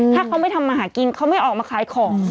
ถ้าเขาไม่ทำมาหากินเขาไม่ออกมาขายของ